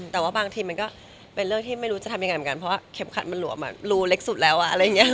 แต่ว่าบางทีมันก็เป็นเรื่องที่ไม่รู้จะทำยังไงเหมือนกันเพราะว่าเข็มขัดมันหลวมรูเล็กสุดแล้วอะไรอย่างนี้